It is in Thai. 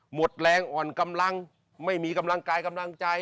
หมดแรงอ่อนกำลังไม่มีกำลังกายกำลังใจ